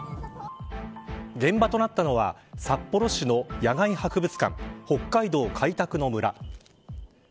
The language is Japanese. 現場となったのは札幌市の野外博物館北海道開拓の村。